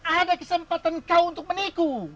ada kesempatan kau untuk menikung